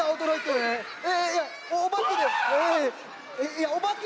いやおばけ。